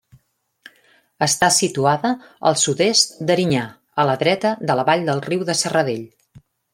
Està situada al sud-est d'Erinyà, a la dreta de la vall del riu de Serradell.